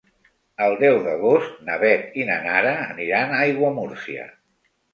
El deu d'agost na Beth i na Nara aniran a Aiguamúrcia.